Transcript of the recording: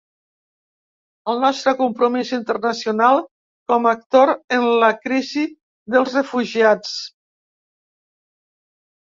El nostre compromís internacional com actor en la crisi dels refugiats.